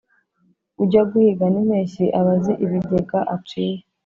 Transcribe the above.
Ujya guhiga n’impeshyi aba azi ibigega aciye